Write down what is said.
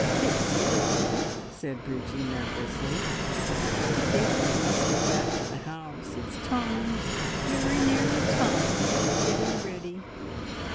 "Pixie darling," said Bridgie nervously, "I think we must go back to the house. It's time very nearly time that you were getting ready.